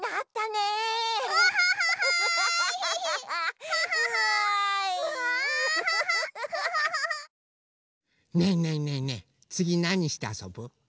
ねえねえねえねえつぎなにしてあそぶ？